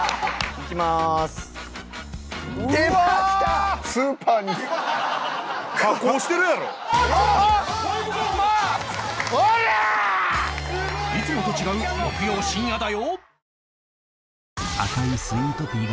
いつもと違う木曜深夜だよ！